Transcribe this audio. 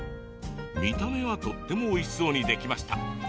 見た目はとてもおいしくできました。